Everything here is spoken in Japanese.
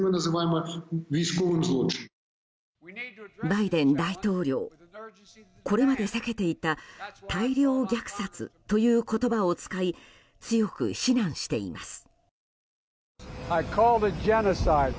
バイデン大統領これまで避けていた大量虐殺という言葉を使い強く非難しています。